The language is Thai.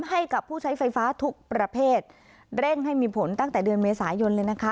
ให้กับผู้ใช้ไฟฟ้าทุกประเภทเร่งให้มีผลตั้งแต่เดือนเมษายนเลยนะคะ